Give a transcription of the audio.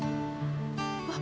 あ！